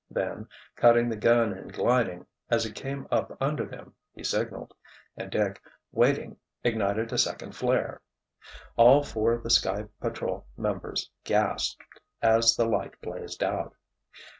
Then, cutting the gun and gliding, as it came up under them, he signaled, and Dick, waiting, ignited a second flare. All four of the Sky Patrol members gasped as the light blazed out.